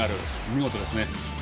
見事ですね。